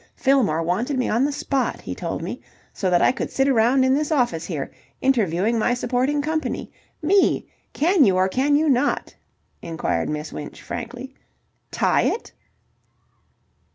Fillmore wanted me on the spot, he told me, so that I could sit around in this office here, interviewing my supporting company. Me! Can you or can you not," inquired Miss Winch frankly, "tie it?"